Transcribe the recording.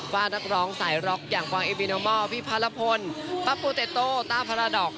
ว่านักร้องสายร็อกอย่างกว่าพี่พระละพลป๊าปูเต็ตโตต้าพระดอก